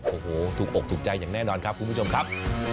โอ้โหถูกอกถูกใจอย่างแน่นอนครับคุณผู้ชมครับ